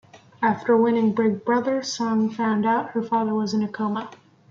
After winning Big Brother, Song found out her father was in a coma.